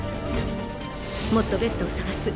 もっとベッドを探す。